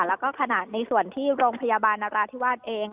แล้วก็ขนาดในส่วนที่โรงพยาบาลนราธิวาสเอง